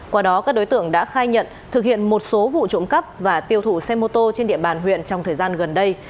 qua đó các đối tượng đã khai nhận thực hiện một số vụ trộm cắp và tiêu thụ xe mô tô trên địa bàn huyện trong thời gian gần đây